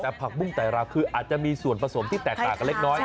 แต่ผักบุ้งไต่ราวคืออาจจะมีส่วนผสมที่แตกต่างกันเล็กน้อย